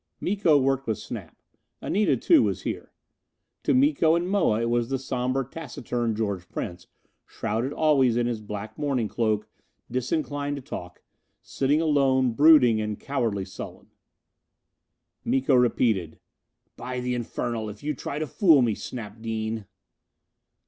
Miko worked with Snap. Anita too was here. To Miko and Moa it was the somber, taciturn George Prince, shrouded always in his black mourning cloak, disinclined to talk; sitting alone, brooding and cowardly sullen. Miko repeated, "By the infernal, if you try to fool me, Snap Dean!"